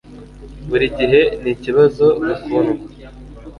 burigihe nikibazo, mukundwa